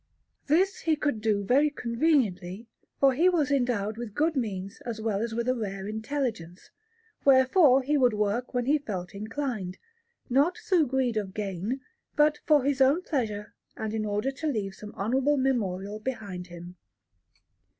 This he could do very conveniently, for he was endowed with good means as well as with a rare intelligence; wherefore he would work when he felt inclined, not through greed of gain, but for his own pleasure and in order to leave some honourable memorial behind him.